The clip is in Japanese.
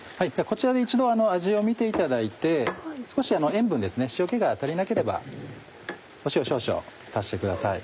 こちらで一度味を見ていただいて少し塩分塩気が足りなければ塩少々足してください。